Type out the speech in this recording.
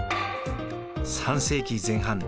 ３世紀前半